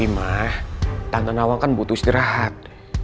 tapi mah tante nawang kan butuh istirahat